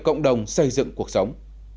cộng đồng xây dựng cuộc sống